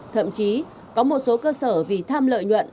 thậm chí có một số cơ sở vì tham lợi nhuận